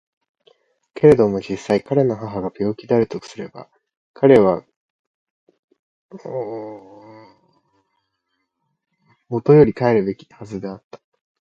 けれども実際彼の母が病気であるとすれば彼は固より帰るべきはずであった。